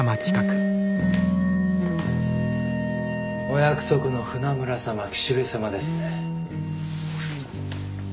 お約束の船村様岸辺様ですね。